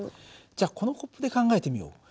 じゃあこのコップで考えてみよう。